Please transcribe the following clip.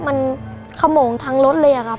มันขโมงทั้งรถเลยอะครับ